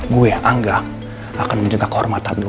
gue anggap akan menjengkel kehormatan lo